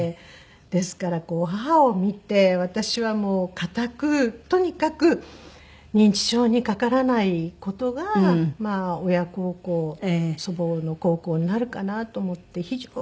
ですから母を見て私はもう固くとにかく認知症にかからない事がまあ親孝行祖母の孝行になるかなと思って非常に気を付けてますね。